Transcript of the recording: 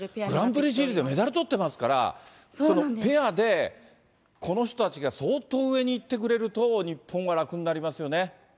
グランプリシリーズでメダルとってますから、そのペアで、この人たちが相当上にいってくれると、日本は楽になりますよね。